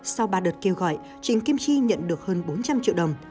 sau ba đợt kêu gọi trình kim chi nhận được hơn bốn trăm linh triệu đồng